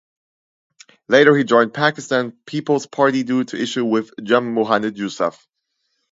Later he joined Pakistan Peoples Party due to issue with Jam Mohammad Yousaf.